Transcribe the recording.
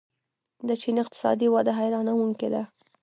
د چین اقتصادي وده حیرانوونکې ده.